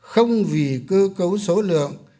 không vì cơ cấu số lượng